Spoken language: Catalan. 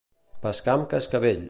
Pescar amb cascavell.